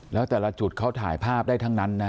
แล้วแต่ละจุดเขาถ่ายภาพได้ทั้งนั้นนะ